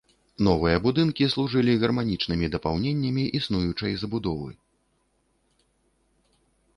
Новыя будынкі служылі гарманічнымі дапаўненнямі існуючай забудовы.